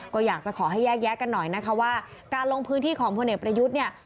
ก็อยากจะขอให้แยกแยะกันหน่อยนะคะว่าการลงพื้นที่ของพลเอกประยุทธ์เนี่ย